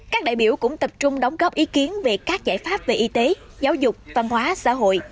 các đại biểu cũng tập trung đóng góp ý kiến về các giải pháp về y tế giáo dục văn hóa xã hội